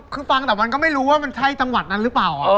คือฟังแต่มันก็ไม่รู้ว่ามันใช่จังหวัดนั้นหรือเปล่า